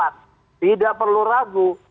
tidak perlu ragu